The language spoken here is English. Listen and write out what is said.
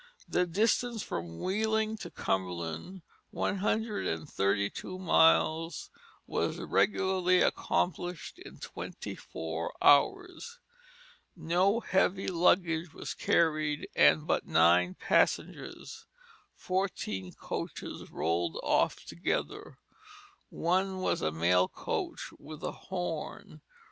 The distance from Wheeling to Cumberland, one hundred and thirty two miles, was regularly accomplished in twenty four hours. No heavy luggage was carried and but nine passengers; fourteen coaches rolled off together one was a mail coach with a horn.